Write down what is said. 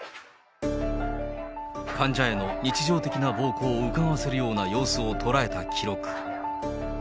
患者への日常的な暴行をうかがわせるような様子を捉えた記録。